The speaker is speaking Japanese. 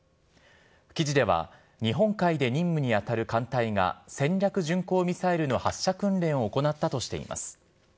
記事では、日本海で任務に当たる艦隊が戦略巡航ミサイルの発射訓練を行ったとしています。